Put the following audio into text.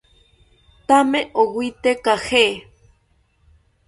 Thame owite caje